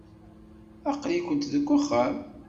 Aql-ikent deg uxxam.